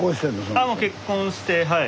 ああもう結婚してはい。